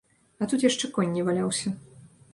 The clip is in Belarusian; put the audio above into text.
А тут яшчэ конь не валяўся.